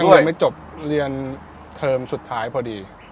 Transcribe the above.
เรียนไม่จบเรียนเทอมสุดท้ายพอดี